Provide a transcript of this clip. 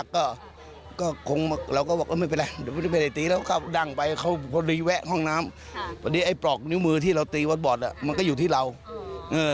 ห้องน้ำตอนนี้ไอ้ปลอกนิ้วมือที่เราตีวอทบอร์ตอ่ะมันก็อยู่ที่เราเออ